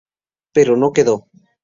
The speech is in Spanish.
Pero no quedó.